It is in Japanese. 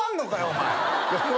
お前。